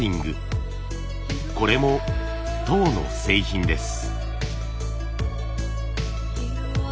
これも籐の製品です。